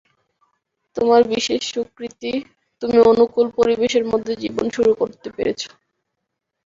তোমার বিশেষ সুকৃতি, তুমি অনুকূল পরিবেশের মধ্যে জীবন শুরু করতে পেরেছ।